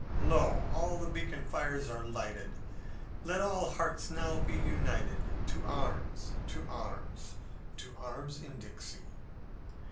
Lo! all the beacon fires are lighted Let all hearts now be united! To arms! To arms! To arms in Dixie!"